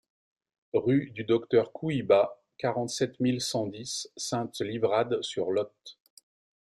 Rue du Docteur Couyba, quarante-sept mille cent dix Sainte-Livrade-sur-Lot